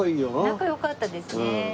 仲良かったですね。